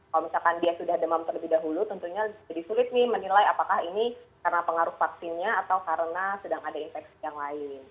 kalau misalkan dia sudah demam terlebih dahulu tentunya jadi sulit nih menilai apakah ini karena pengaruh vaksinnya atau karena sedang ada infeksi yang lain